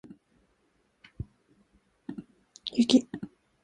雪